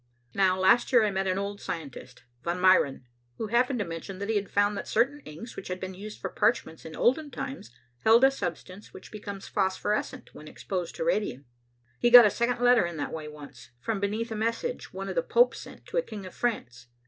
Now last year I met an old scientist, Von Meyren, who happened to mention that he had found that certain inks which had been used for parchments in olden times held a substance which becomes phosphorescent when exposed to radium. He got a second letter in that way once, from beneath a message one of the Popes sent to a king of France.